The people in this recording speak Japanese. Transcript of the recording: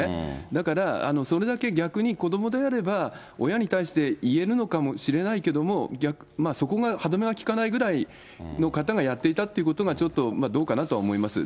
だからそれだけ逆に、子どもであれば、親に対して言えるのかもしれないけれども、そこが歯止めが利かないぐらいの方がやっていたっていうのがちょっとどうかなとは思います。